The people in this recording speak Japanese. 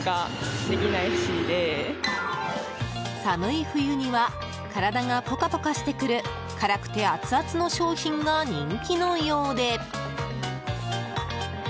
寒い冬には体がポカポカしてくる辛くて熱々の商品が人気のようで。